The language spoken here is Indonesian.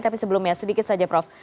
tapi sebelumnya sedikit saja prof